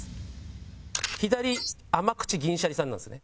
左甘口銀シャリさんなんですね。